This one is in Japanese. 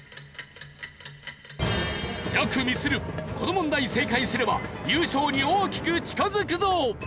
やくみつるこの問題に正解すれば優勝に大きく近づくぞ！